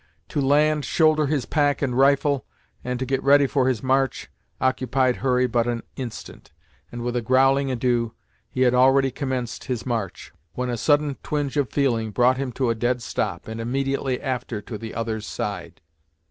To land, shoulder his pack and rifle, and to get ready for his march occupied Hurry but an instant, and with a growling adieu, he had already commenced his march, when a sudden twinge of feeling brought him to a dead stop, and immediately after to the other's side.